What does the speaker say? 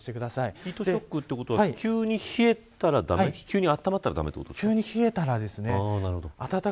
ヒートショックということは急に冷えたら駄目急に温まったら急に冷えたらですね。